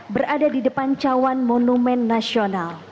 berada di depan cawan monumen nasional